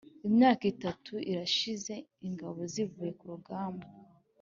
Imyaka itatu irashize ingabo zivuye ku rugamba